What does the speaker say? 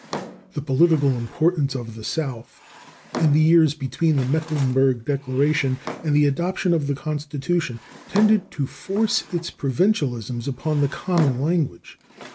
The political importance of the South, in the years between the Mecklenburg Declaration and the adoption of the Constitution, tended to force its provincialisms upon the common language.